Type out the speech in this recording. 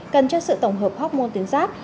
cần cho sự tổng hợp học môn tuyến giáp